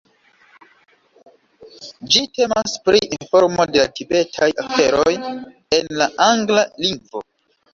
Ĝi temas pri informo de la tibetaj aferoj en la angla lingvo.